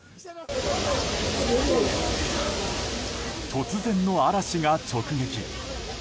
突然の嵐が直撃。